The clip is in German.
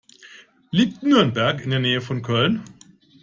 Liegt Nürnberg in der Nähe von Köln?